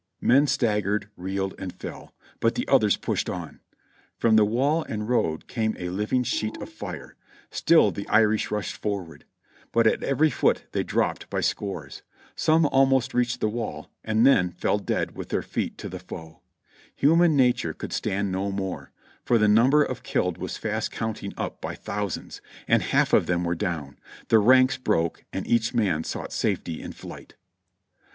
Men staggered, reeled and fell, but the others pushed on. From the wall and road came a living sheet of fire, still the Irish rushed forward ; but at every foot they dropped by scores ; some almost reached the wall and then fell dead with their feet to the foe; human nature could stand no more, for the number of killed was fast counting up by thousands, and half of them were down; the ranks broke and each man sought safety in flight.